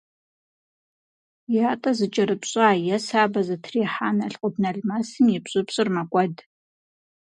Ятӏэ зыкӏэрыпщӏа е сабэ зытрихьа налкъутналмэсым и пщӏыпщӏыр мэкӏуэд.